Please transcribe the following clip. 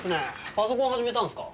パソコン始めたんですか？